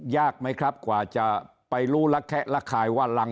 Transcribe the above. ยากไหมครับกว่าจะไปรู้ระแคะระคายว่ารัง